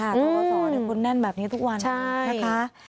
ทุกข้อสอนให้คุณแน่นแบบนี้ทุกวันนะคะนะครับใช่